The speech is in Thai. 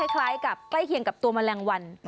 คล้ายไปเคียงกับตัวแมลงวรรณ